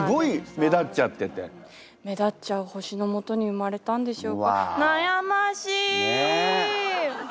目立っちゃう星の下に生まれたんでしょうか。